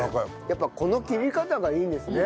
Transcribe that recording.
やっぱこの切り方がいいんですね。